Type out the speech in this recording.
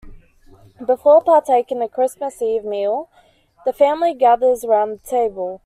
Before partaking of the Christmas Eve meal, the family gathers around the table.